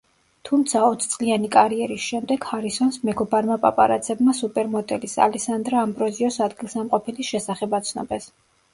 თუმცა ოცწლიანი კარიერის შემდეგ ჰარისონს მეგობარმა პაპარაცებმა სუპერმოდელის- ალესანდრა ამბროზიოს ადგილსამყოფელის შესახებ აცნობეს.